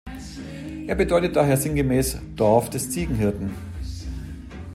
Er bedeutet daher sinngemäß „Dorf des Ziegenhirten“.